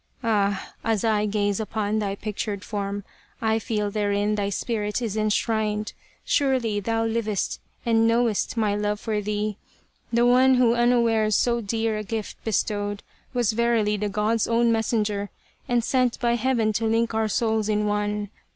Ah, as I gaze upon thy pictured form I feel therein thy spirit is enshrined, Surely thou liv'st and know'st my love for thee ! The one who unawares so dear a gift bestowed Was verily the gods' own messenger And sent by Heaven to link our souls in one.